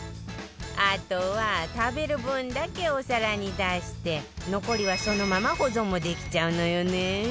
あとは食べる分だけお皿に出して残りはそのまま保存もできちゃうのよね